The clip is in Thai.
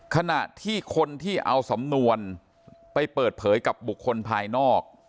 ขณะที่คนที่เอาสำนวนไปเปิดเผยกับบุคคลภายนอก